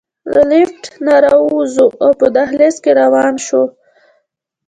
له لفټ نه راووځو او په دهلېز کې روان شو.